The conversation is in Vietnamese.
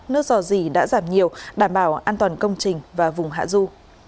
nước dò dỉ đã giảm nhiều đảm bảo an toàn công trình và vùng hạ du